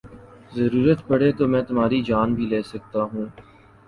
ضرورت پڑی تو میں تمہاری جان بھی لے سکتا ہوں